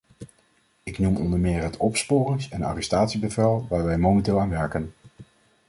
Ik noem onder meer het opsporings- en arrestatiebevel waar wij momenteel aan werken.